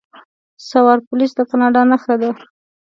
سوار پولیس د کاناډا نښه ده.